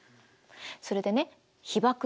それでね被ばく